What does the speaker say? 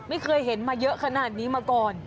ไม่เคยเห็นมาเยอะขนาดนี้มาก่อน